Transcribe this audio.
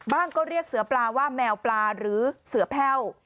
ก็เรียกเสือปลาว่าแมวปลาหรือเสือแพ่ว